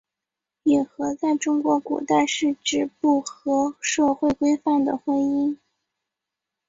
野合在中国古代是指不合社会规范的婚姻。